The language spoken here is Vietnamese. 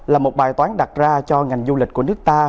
là một bài toán đặt ra cho ngành du lịch của nước ta